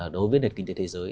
đối với nền kinh tế thế giới